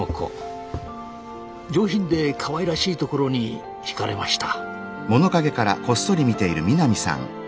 上品でかわいらしいところに惹かれました。